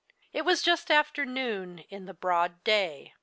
It was just after noon, in the broad day.